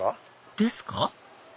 ですか？